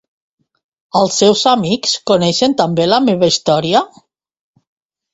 Els seus amics coneixen també la meva història?